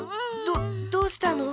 どっどうしたの？